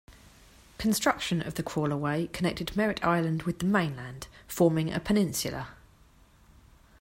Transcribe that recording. Construction of the Crawlerway connected Merritt Island with the mainland, forming a peninsula.